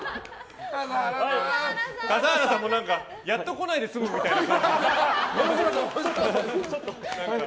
笠原さんもやっと来ないで済むみたいな。